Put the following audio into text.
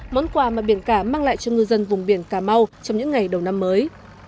món quà mà biển cả mang lại cho ngư dân vùng biển cà mau trong những ngày đầu năm mới